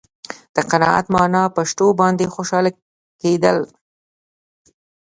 د قناعت معنا په شتو باندې خوشاله کېدل.